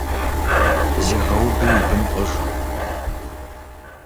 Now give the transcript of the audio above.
Зегъэуби уи бын пӏыж.